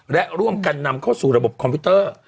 และร่วมกันนำเข้าสู่ระบบคอมพิวเตอร์